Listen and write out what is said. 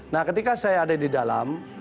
nah ketika saya ada di dalam